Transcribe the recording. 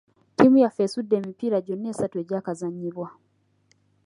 Ttiimu yaffe esudde emipiira gyonna esatu egyakazannyibwa.